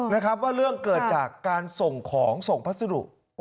นะครับว่าเรื่องเกิดจากการส่งของส่งพัสดุ